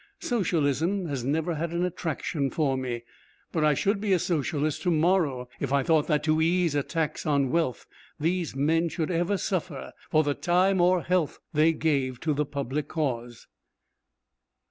Socialism has never had an attraction for me, but I should be a Socialist to morrow if I thought that to ease a tax on wealth these men should ever suffer for the time or health that they gave to the public cause.